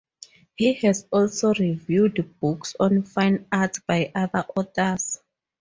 He has also reviewed books on fine arts by other authors.